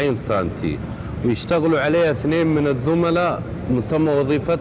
ini kiswah dari tahlia